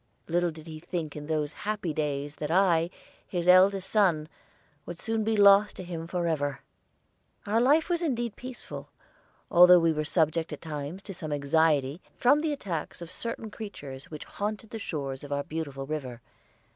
Little did he think in those happy days that I, his eldest son, would soon be lost to him forever. Our life was indeed peaceful, although we were subject at times to some anxiety from the attacks of certain wicked creatures which haunted the shores of our beautiful river.